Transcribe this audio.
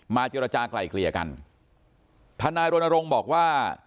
เจรจากลายเกลี่ยกันทนายรณรงค์บอกว่า